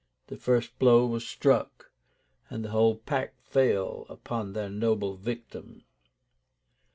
The first blow was struck, and the whole pack fell upon their noble victim.